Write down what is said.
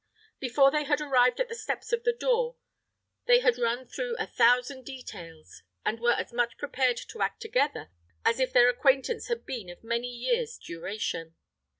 Before they had arrived at the steps of the door, they had run through a thousand details, and were as much prepared to act together as if their acquaintance had been of many years' duration.